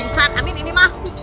bingsan amin ini mah